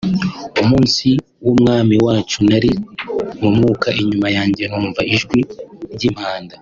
umunsi w’Umwami wacu nari mu Mwuka inyuma yanjye numva ijwi ry’impanda